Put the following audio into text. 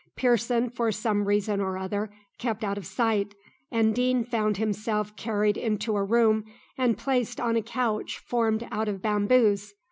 Pearson, for some reason or other, kept out of sight, and Deane found himself carried into a room and placed on a couch formed out of bamboos.